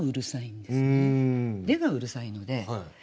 「で」がうるさいので。